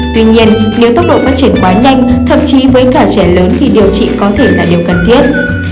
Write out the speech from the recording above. tuy nhiên nếu tốc độ phát triển quá nhanh thậm chí với cả trẻ lớn thì điều trị có thể là điều cần thiết